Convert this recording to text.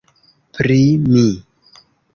Pri mi!